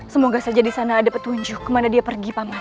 semoga saja di sana ada petunjuk kemana dia pergi paman